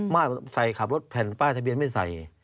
ใส่ขับรถแผ่นป้ายทะเบียนไม่ใส่